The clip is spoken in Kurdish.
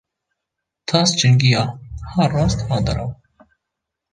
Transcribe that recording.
Tas çingiya, ha rast ha derew